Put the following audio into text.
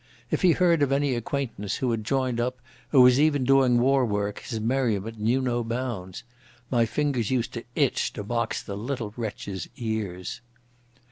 If he heard of any acquaintance who had joined up or was even doing war work his merriment knew no bounds. My fingers used to itch to box the little wretch's ears.